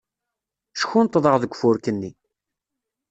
Ckunṭḍeɣ deg ufurk-nni.